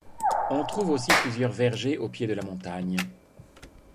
On trouve aussi plusieurs vergers au pied de la montagne.